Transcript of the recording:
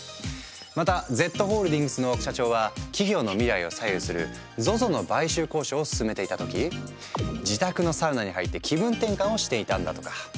またＺホールディングスの社長は企業の未来を左右するＺＯＺＯの買収交渉を進めていた時自宅のサウナに入って気分転換をしていたんだとか。